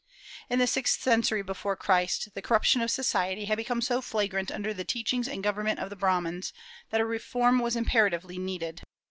In the sixth century before Christ, the corruption of society had become so flagrant under the teachings and government of the Brahmans, that a reform was imperatively needed.